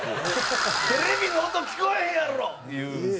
「テレビの音聞こえへんやろ！」って言うんですよ。